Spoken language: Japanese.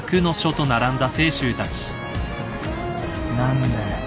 何だよ